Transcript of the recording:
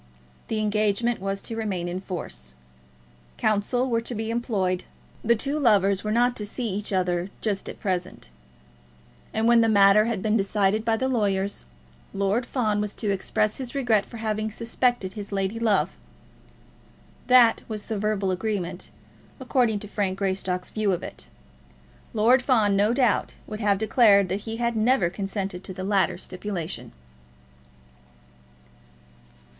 The engagement was to remain in force. Counsel were to be employed. The two lovers were not to see each other just at present. And when the matter had been decided by the lawyers, Lord Fawn was to express his regret for having suspected his lady love! That was the verbal agreement, according to Frank Greystock's view of it. Lord Fawn, no doubt, would have declared that he had never consented to the latter stipulation.